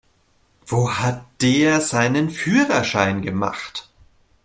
Wo hat der seinen Führerschein gemacht?